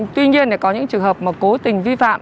tuy nhiên có những trường hợp mà cố tình vi phạm